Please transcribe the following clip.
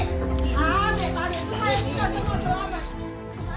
semua ini semua selamat